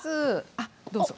あどうぞ。